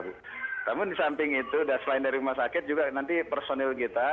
namun di samping itu dan selain dari rumah sakit juga nanti personil kita